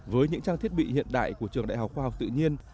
với những trang thiết bị hiện đại của trường đại học khoa học tự nhiên